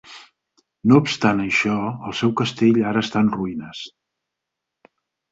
No obstant això, el seu castell ara està en ruïnes.